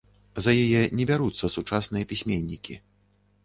За яе не бяруцца сучасныя пісьменнікі.